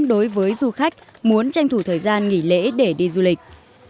đối với du khách muốn tranh thủ thời gian nghỉ lễ để đi du lịch